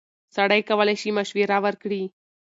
سړی کولی شي مشوره ورکړي.